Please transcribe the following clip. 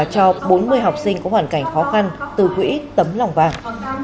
cho bốn mươi học sinh có hoàn cảnh khó khăn từ quỹ tấm lòng vàng